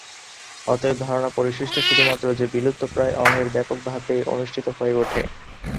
অতএব, ধারণা পরিশিষ্ট শুধুমাত্র যে বিলুপ্তপ্রায় অঙ্গের ব্যাপকভাবে অনুষ্ঠিত হয়ে ওঠে।